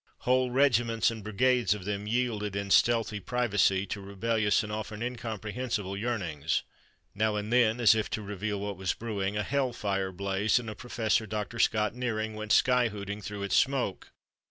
Whole regiments and brigades of them yielded in stealthy privacy to rebellious and often incomprehensible yearnings. Now and then, as if to reveal what was brewing, a hell fire blazed and a Prof. Dr. Scott Nearing went sky hooting through its smoke.